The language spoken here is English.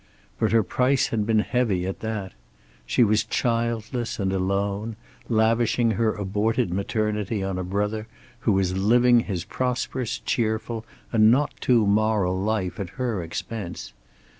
But her price had been heavy at that. She was childless and alone, lavishing her aborted maternity on a brother who was living his prosperous, cheerful and not too moral life at her expense.